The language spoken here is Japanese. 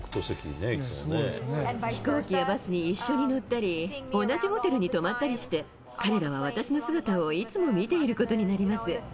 飛行機やバスに一緒に乗ったり、同じホテルに泊まったりして、彼らは私の姿をいつも見ていることになります。